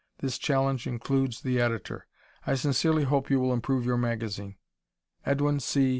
This challenge includes the editor. I sincerely hope you will improve your magazine Edwin C.